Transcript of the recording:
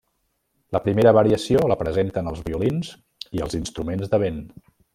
La primera variació la presenten els violins i els instrument de vent.